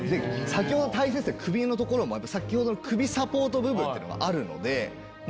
先ほど首のところもやっぱ先ほどの首サポート部分っていうのがあるので。